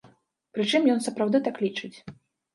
Прычым, ён сапраўды так лічыць.